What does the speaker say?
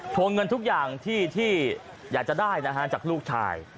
วงเงินทุกอย่างที่อยากจะได้นะฮะจากลูกชาย